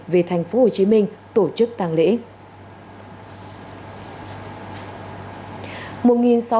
về tp hcm tổ chức tàng lễ